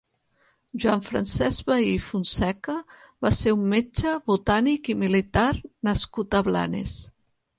Joan Francesc Bahí i Fontseca va ser un metge, botànic i militar nascut a Blanes.